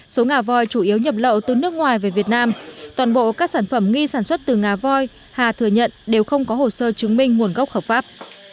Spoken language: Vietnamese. số ngà voi chủ yếu nhập lậu từ nước ngoài về việt nam toàn bộ các sản phẩm nghi sản xuất từ ngà voi hà thừa nhận đều không có hồ sơ chứng minh nguồn gốc hợp pháp